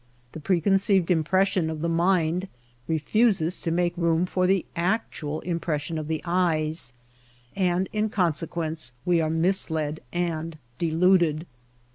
The preconceived impression of the mind refuses to make room for the actual im pression of the eyes, and in consequence we are misled and deluded.